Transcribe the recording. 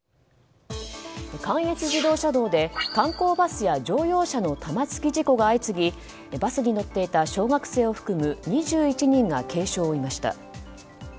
関越自動車道で観光バスや乗用車の玉突き事故が相次ぎバスに乗っていた小学生を含む２１人が軽傷を負いました。